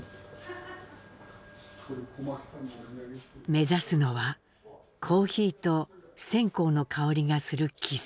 目指すのはコーヒーと線香の香りがする喫茶店。